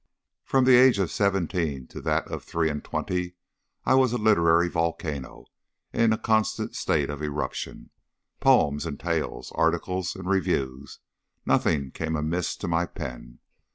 From the age of seventeen to that of three and twenty I was a literary volcano in a constant state of eruption. Poems and tales, articles and reviews, nothing came amiss to my pen.